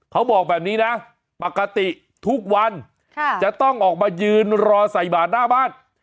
เขาบอกแบบนี้นะปกติทุกวันจะต้องออกมายืนรอใส่บาทหน้าบ้าน